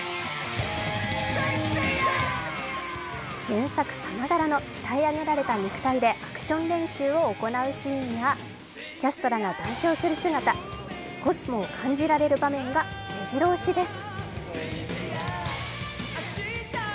原作さながらの鍛え上げられた肉体でアクション練習を行うシーンやキャストらが談笑する姿、コスモを感じられる場面がめじろ押しです。